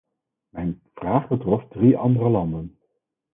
Mijn vraag betrof drie andere landen.